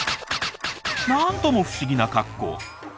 なんとも不思議な格好。